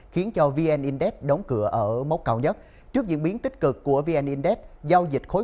khiến cho vn index đóng cửa ở mốc cao nhất trước diễn biến tích cực của vn index giao dịch khối